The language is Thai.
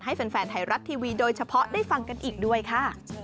ให้แฟนไทยรัฐทีวีโดยเฉพาะได้ฟังกันอีกด้วยค่ะ